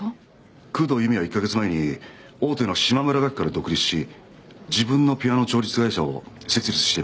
工藤由美は１カ月前に大手の島村楽器から独立し自分のピアノ調律会社を設立しています。